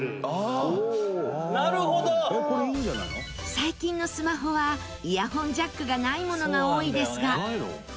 最近のスマホはイヤホンジャックがないものが多いですが。